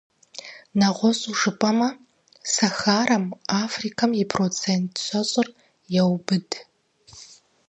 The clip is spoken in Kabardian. Нэгъуэщӏу жыпӏэмэ, Сахарэм Африкэм и процент щэщӏыр еубыд.